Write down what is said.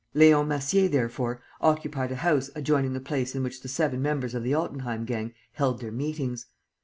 Leon Massier, therefore, occupied a house adjoining the place in which the seven members of the Altenheim gang held their meetings.